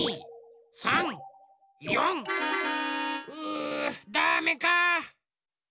うダメか。